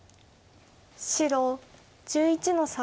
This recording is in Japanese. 白１１の三。